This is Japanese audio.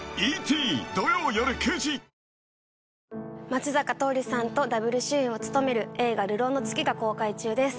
松坂桃李さんとダブル主演を務める映画『流浪の月』が公開中です。